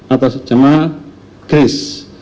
atau sejamaah geris